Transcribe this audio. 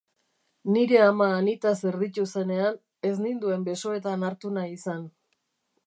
Nire ama nitaz erditu zenean, ez ninduen besoetan hartu nahi izan.